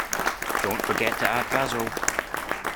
Don't forget to add Basil.